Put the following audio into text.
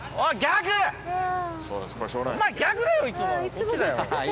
こっちだよ。